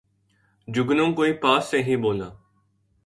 جگنو کوئی پاس ہی سے بولا